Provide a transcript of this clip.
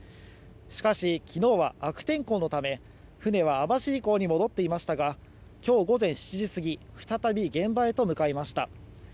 しかし昨日は悪天候のため船は網走港に戻っていましたが今日午前７時過ぎ再び現場へと向かいました。